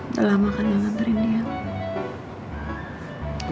udah lama kan gak ngantuin dia